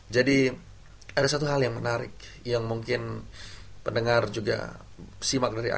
jadi ada satu hal yang menarik yang mungkin pendengar juga simak dari akhirnya